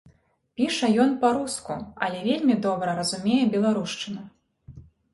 Піша ён па-руску, але вельмі добра разумее беларушчыну.